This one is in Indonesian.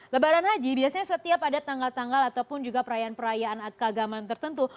lebaran haji biasanya setiap ada tanggal tanggal ataupun juga perayaan perayaan keagamaan tertentu